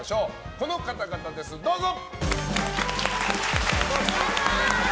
この方々です、どうぞ！